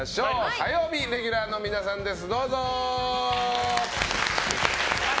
火曜日レギュラーの皆さんです。